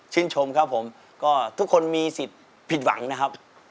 ชมครับผมก็ทุกคนมีสิทธิ์ผิดหวังนะครับ